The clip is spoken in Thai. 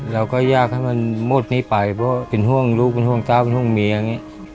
เราก็อยากให้มันหมดนี้ไปเพราะเป็นห่วงลูกเป็นห่วงเจ้าเป็นห่วงเมียอย่างนี้